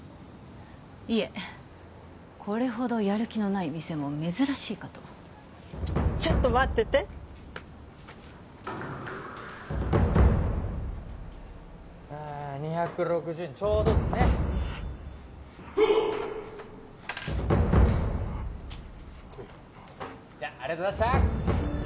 いえこれほどやる気のない店も珍しいかとちょっと待っててえっ２６０円ちょうどっすねじゃありがとうございました！